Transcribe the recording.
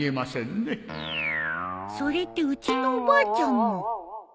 それってうちのおばあちゃんも。